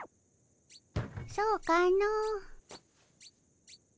そうかの。